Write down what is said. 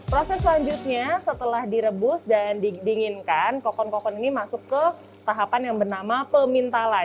proses selanjutnya setelah direbus dan didinginkan kokon kokon ini masuk ke tahapan yang bernama pemintalan